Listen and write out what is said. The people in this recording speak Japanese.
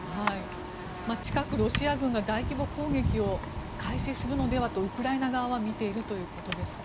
近くロシア軍が大規模攻撃を開始するのではとウクライナ側は見ているということですが。